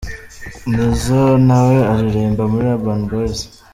Nizzo: na we aririmba muri Urban Boyz.